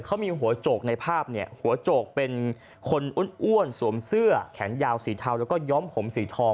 เขามีหัวโจกในภาพเนี่ยหัวโจกเป็นคนอ้วนสวมเสื้อแขนยาวสีเทาแล้วก็ย้อมผมสีทอง